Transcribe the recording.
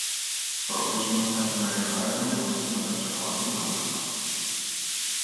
Profesionaltasunaren arabera neurtzen da pertsona baten balioa.